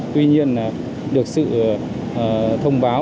tuy nhiên là được sự thông báo